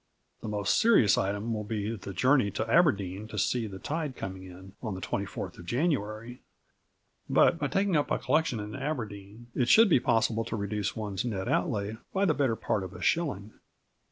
The most serious item will be the journey to Aberdeen to see the tide coming in on the 24th of January; but, by taking up a collection in Aberdeen, it should be possible to reduce one's net outlay by the better part of a shilling.